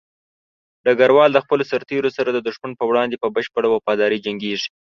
ډګروال د خپلو سرتېرو سره د دښمن په وړاندې په بشپړه وفاداري جنګيږي.